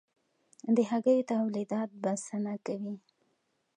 د هګیو تولیدات بسنه کوي؟